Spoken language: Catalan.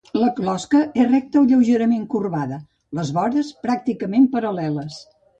La closca és recta o lleugerament corbada, les vores pràcticament paral·leles.